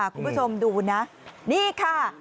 คุณผู้ชมดูนะนี่ค่ะ